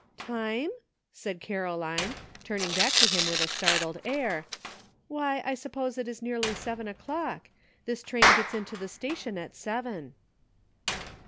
"Time?" said Caroline, turning back to him with a startled air, " why, I suppose it is nearly seven o'clock. This train gets into the station at seven."